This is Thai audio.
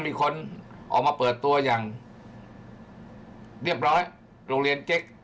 มีคนออกมาเปิดตัวอย่างเรียบร้อยโรงเรียนเจ๊ก